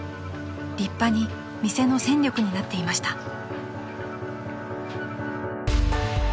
［立派に店の戦力になっていました］